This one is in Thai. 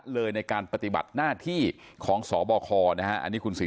เลยในการปฏิบัติหน้าที่ของสบคนะฮะอันนี้คุณศรี